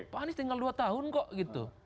pak anies tinggal dua tahun kok gitu